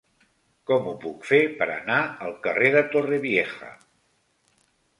Com ho puc fer per anar al carrer de Torrevieja?